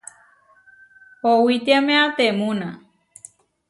Owitíamea temúna.